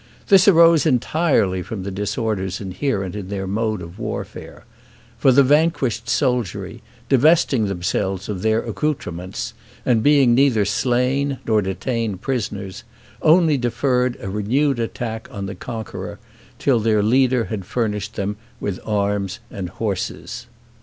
This arose entirely from the disorders inherent in their mode of warfare; for the vanquished soldiery, divesting themselves of their accoutrements, and being neither slain nor detained prisoners, only deferred a renewed attack on the conqueror, till their leader had furnished them with arms and horses.